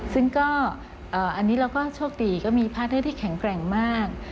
ซึ่งก็อันนี้เราก็โชคดีก็มีพาร์ทเทอร์ที่แข็งแกร่งมาก